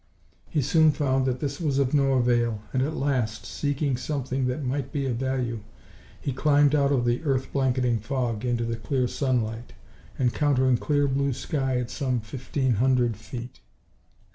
He soon found that this was of no avail and at last, seeking something that might be of value, he climbed out of the earth blanketing fog into the clear sunlight, encountering clear blue sky at some fifteen hundred feet.